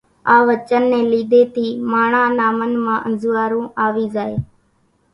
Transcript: آ وچن ني لِيڌي ٿي ماڻۿان نا من مان انزوئارون آوي زائي